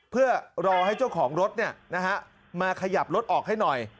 เพื่อรอให้เจ้าของรถมาขยับรถออกให้หน่อย